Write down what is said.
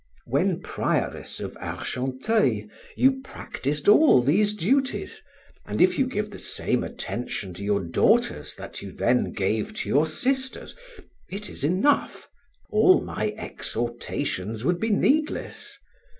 When prioress of Argenteuil, you practiced all these duties; and if you give the same attention to your daughters that you then gave to your sisters, it is enough. All my exhortations would be needless.